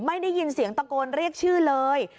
ไม่ได้ยินเสียงตะโกนเรียกชื่อเลย